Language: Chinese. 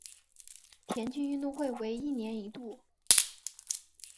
田径运动会为一年一度。